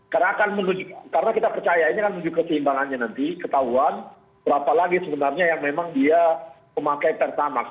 karena kita percaya ini kan menunjukkan keimbangannya nanti ketahuan berapa lagi sebenarnya yang memang dia memakai pertamax